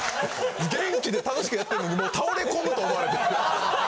元気で楽しくやってるのに倒れ込むと思われて。